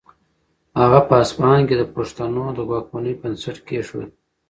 هغه په اصفهان کې د پښتنو د واکمنۍ بنسټ کېښود.